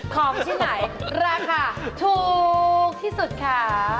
ของที่ไหนราคาถูกที่สุดค่ะ